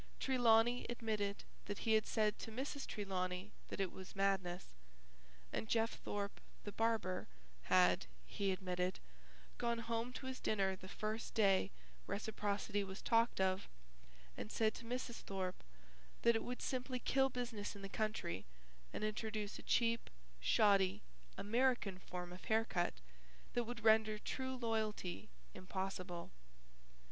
Trelawney admitted that he had said to Mrs. Trelawney that it was madness, and Jeff Thorpe, the barber, had, he admitted, gone home to his dinner, the first day reciprocity was talked of, and said to Mrs. Thorpe that it would simply kill business in the country and introduce a cheap, shoddy, American form of haircut that would render true loyalty impossible.